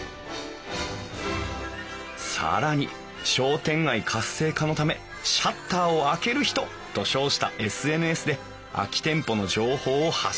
更に商店街活性化のため「シャッターを開ける人！」と称したＳＮＳで空き店舗の情報を発信。